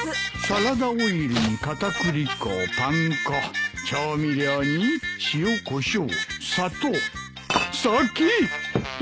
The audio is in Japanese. サラダオイルに片栗粉パン粉調味料に塩コショウ砂糖酒！